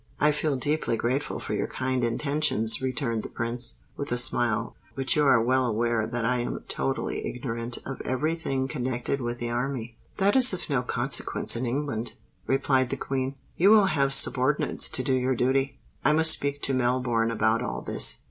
"I feel deeply grateful for your kind intentions," returned the Prince, with a smile; "but you are well aware that I am totally ignorant of every thing connected with the army." "That is of no consequence in England," replied the Queen. "You will have subordinates to do your duty. I must speak to Melbourne about all this.